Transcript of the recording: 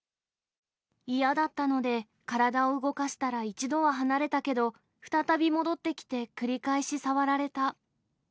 嫌だったので、体を動かしたら一度は離れたけど、再び戻ってきて繰り返し触られた。